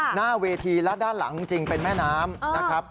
หน้าเวทีและด้านหลังจริงเป็นแม่น้ำนะครับ